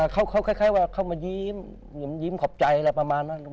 เขาคล้ายว่าเข้ามายิ้มขอบใจอะไรประมาณนั้น